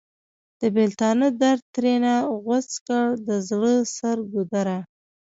د بیلتانه درد ترېنه غوڅ کړ د زړه سر ګودره!